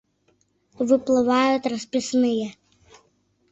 Выплывают расписные